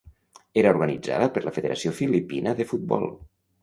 Era organitzada per la Federació Filipina de Futbol.